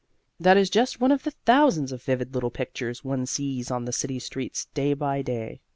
That is just one of the thousands of vivid little pictures one sees on the city streets day by day.